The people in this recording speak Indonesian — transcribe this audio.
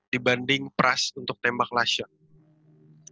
dibanding pras untuk tembak last shot